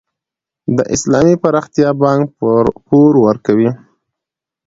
د اسلامي پراختیا بانک پور ورکوي؟